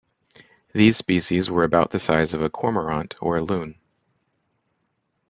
These species were about the size of a cormorant or a loon.